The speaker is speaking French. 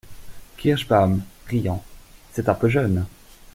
Kirschbaum, riant. — C’est un peu jeune.